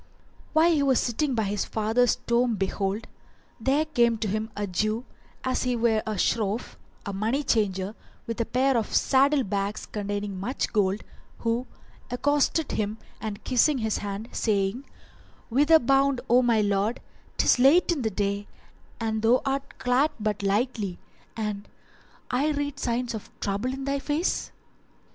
While he was sitting by his father's tomb behold, there came to him a Jew as he were a Shroff, [FN#397] a money changer, with a pair of saddle bags containing much gold, who accosted him and kissed his hand, saying, "Whither bound, O my lord; 'tis late in the day and thou art clad but lightly, and I read signs of trouble in thy face?"